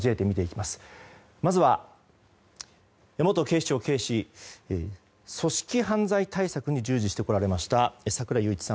まずは、元警視庁警視組織犯罪対策に従事してこられました櫻井裕一さん。